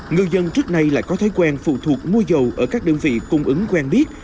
người dân trước nay lại có thói quen phụ thuộc mua dầu ở các đơn vị cung ứng quen biết